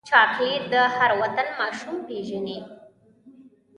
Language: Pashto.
چاکلېټ د هر وطن ماشوم پیژني.